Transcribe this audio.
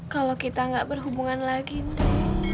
kalau kita gak berhubungan lagi diri